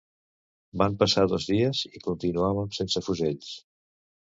Van passar dos dies, i continuàvem sense fusells.